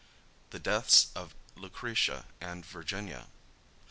THE DEATHS OF LUCRETIA AND VIRGINIA.